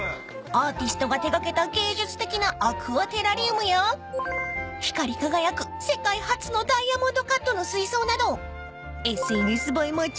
［アーティストが手掛けた芸術的なアクアテラリウムや光り輝く世界初のダイヤモンドカットの水槽などＳＮＳ映え間違いなしのデート